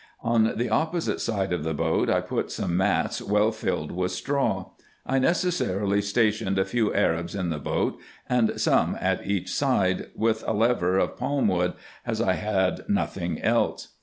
On the opposite side of the boat I put some mats well filled with straw. I necessarily stationed a few Arabs in the boat, and some at each side, with a lever of palm wood, as I had nothing else.